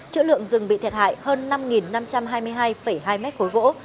chữ lượng rừng bị thiệt hại hơn năm năm trăm hai mươi hai hai mét khối gỗ